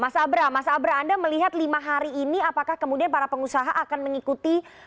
mas abra mas abra anda melihat lima hari ini apakah kemudian para pengusaha akan mengikuti